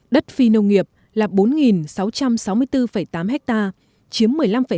đất phi nông nghiệp là bốn sáu trăm sáu mươi bốn tám ha chiếm một mươi năm sáu